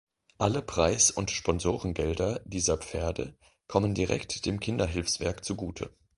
Alle Preis- und Sponsorengelder dieser Pferde kommen direkt dem Kinderhilfswerk zugute.